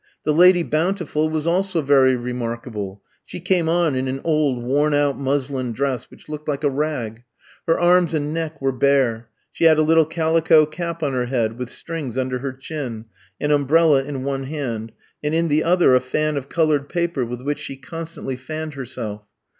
The Lady Bountiful was also very remarkable; she came on in an old worn out muslin dress, which looked like a rag. Her arms and neck were bare. She had a little calico cap on her head, with strings under her chin, an umbrella in one hand, and in the other a fan of coloured paper, with which she constantly fanned herself.